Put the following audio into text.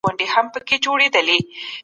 ليکوال بايد د ټولني لپاره ګټور پيغام ولري.